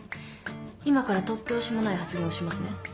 今から突拍子もない発言をしますね。